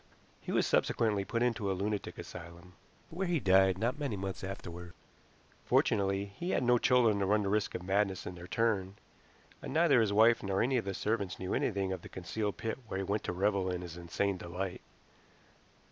He was subsequently put into a lunatic asylum, where he died not many months afterward. Fortunately he had no children to run the risk of madness in their turn, and neither his wife nor any of the servants knew anything of the concealed pit where he went to revel in his insane delight.